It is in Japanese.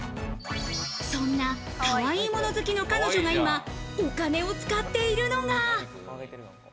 そんなかわいいもの好きの彼女が、今お金を使っているのが。